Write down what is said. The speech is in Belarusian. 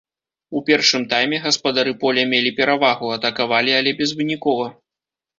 У першым тайме гаспадары поля мелі перавагу, атакавалі, але безвынікова.